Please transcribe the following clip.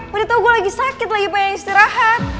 waduh gue lagi sakit lagi pengen istirahat